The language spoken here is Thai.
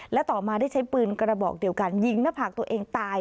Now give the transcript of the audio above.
และต่อมาได้ใช้ปืนกระบอกเดียวกันยิงหน้าผากตัวเองตาย